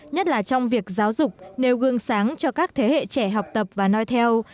nhất là trong việc giáo dục nêu gương sáng cho các thế hệ trẻ học tập và nói theo